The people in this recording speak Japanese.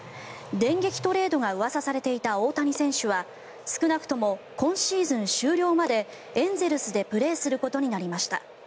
電撃トレードがうわさされていた大谷選手は少なくとも今シーズン終了までエンゼルスでプレーすることになりました。